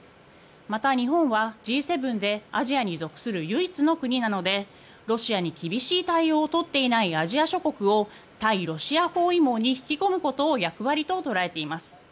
また日本はＧ７でアジアに属する唯一の国なのでロシアに厳しい対応をとっていないアジア諸国を対ロシア包囲網に引き込むことを役割と捉えています。